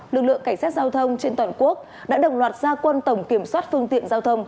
lực lượng cảnh sát giao thông trên toàn quốc đã đồng loạt gia quân tổng kiểm soát phương tiện giao thông